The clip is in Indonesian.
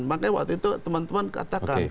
makanya waktu itu teman teman katakan